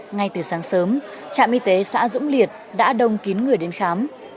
ngay từ sáng sớm trạm y tế xã dũng liệt đã đông kín người đến khám